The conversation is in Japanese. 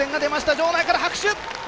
場内から拍手。